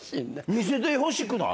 見せてほしくない？